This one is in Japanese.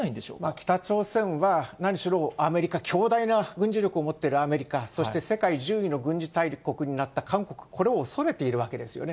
北朝鮮は、なにしろアメリカ、強大な軍事力を持っているアメリカ、そして世界１０位の軍事大国になった韓国、これを恐れているわけですよね。